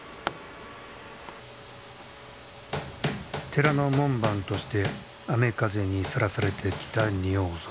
寺の門番として雨風にさらされてきた仁王像。